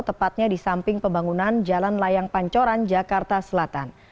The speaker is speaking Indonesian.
tepatnya di samping pembangunan jalan layang pancoran jakarta selatan